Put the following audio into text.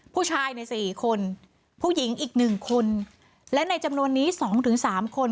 ผู้ชายใน๔คนผู้หญิงอีก๑คนและในจำนวนนี้๒๓คน